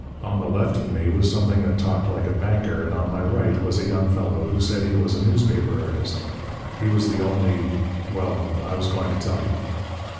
"On the left of me was something that talked like a banker, and on my right was a young fellow who said he was a newspaper artist. He was the only well, I was going to tell you.